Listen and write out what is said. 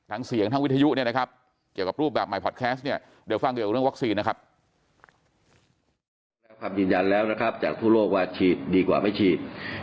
ทั้งเสี่ยงทั้งวิทยุนะครับเกี่ยวกับรูปแบบใหม่พอดแคสต์